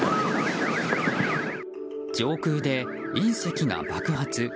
上空で隕石が爆発。